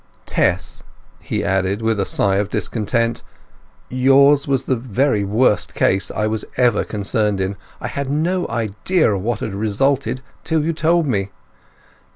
"Tess," he added, with a sigh of discontent,—"yours was the very worst case I ever was concerned in! I had no idea of what had resulted till you told me.